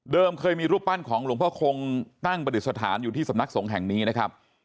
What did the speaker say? เคยมีรูปปั้นของหลวงพ่อคงตั้งประดิษฐานอยู่ที่สำนักสงฆ์แห่งนี้นะครับ